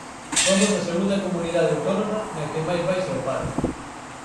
Somos a segunda comunidade autónoma na que máis baixa o paro.